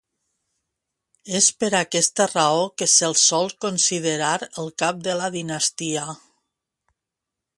És per aquesta raó que se'l sol considerar el cap de la dinastia.